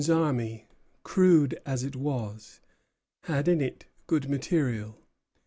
Johnson's army, crude as it was, had in it good material.